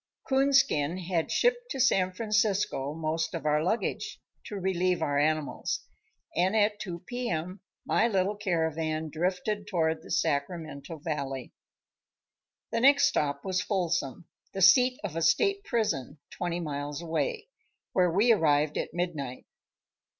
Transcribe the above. Coonskin had shipped to San Francisco most of our luggage, to relieve our animals, and at two p. m. my little caravan drifted toward the Sacramento Valley. The next stop was Folsom, the seat of a state prison, twenty miles away, where we arrived at midnight.